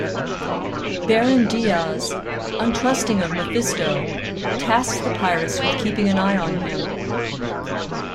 Baron Diaz, untrusting of Mephisto, tasks the pirates with keeping an eye on him.